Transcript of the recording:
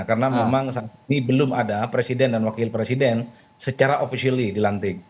karena memang saat ini belum ada presiden dan wakil presiden secara official dilantik